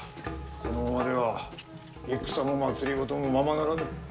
このままでは戦も政もままならぬ。